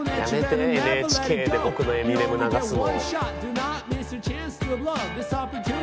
やめてＮＨＫで僕のエミネム流すの。